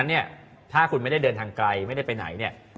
ดังนั้นถ้าคุณไม่ได้เดินทางไกลไม่ได้ไปไหน